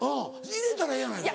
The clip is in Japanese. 入れたらええやないか。